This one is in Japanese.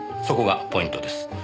そこがポイントです。